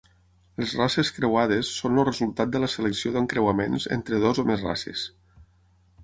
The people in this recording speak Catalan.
Les races creuades són el resultat de la selecció d'encreuaments entre dues o més races.